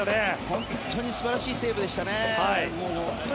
本当に素晴らしいセーブでしたね。